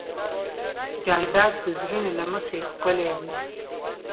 جانداد د زړونو له مخې ښکلی دی.